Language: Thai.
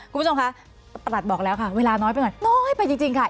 คุณผู้ชมค่ะอาจบอกแล้วเวลาน้อยไปหน่อยน้อยไปจริงค่ะ